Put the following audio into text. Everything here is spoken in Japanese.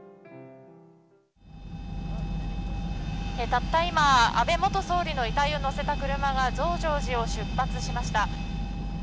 たった今、安倍元総理の遺体を乗せた車が増上寺を出発しました。